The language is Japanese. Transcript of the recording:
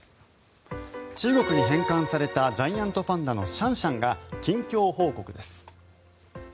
中国に返還されたジャイアントパンダのシャンシャンが近況報告です。